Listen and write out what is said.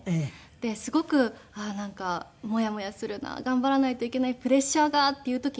ですごくなんかモヤモヤするな頑張らないといけないプレッシャーがっていう時に。